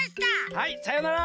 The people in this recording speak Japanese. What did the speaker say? はいさようなら！